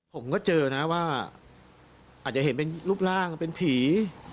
ผมก็เจอนะว่าอาจจะเห็นเป็นรูปร่างเป็นผี